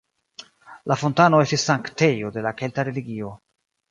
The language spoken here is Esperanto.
La fontano estis sanktejo de la kelta religio.